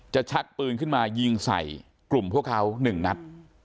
ชักปืนขึ้นมายิงใส่กลุ่มพวกเขา๑นัด